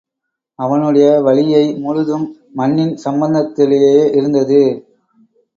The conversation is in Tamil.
அவனுடைய வலியை முழுதும் மண்ணின் சம்பந்தத்திலேயே இருந்தது.